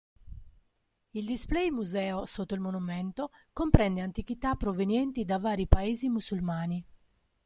Il display museo sotto il monumento comprende antichità provenienti da vari paesi musulmani.